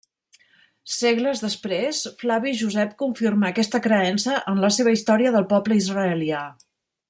Segles després, Flavi Josep confirma aquesta creença en la seva història del poble israelià.